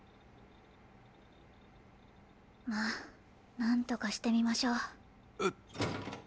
まっなんとかしてみましょ。